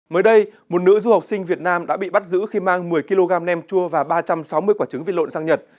mới đây một nữ du học sinh việt nam đã bị bắt giữ khi mang một mươi kg nem chua và ba trăm sáu mươi quả trứng vịt lộn sang nhật